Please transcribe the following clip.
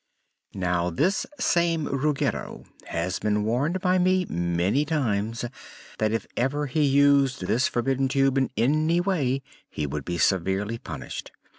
"Now, this same Ruggedo has been warned by me, many times, that if ever he used this Forbidden Tube in any way he would be severely punished.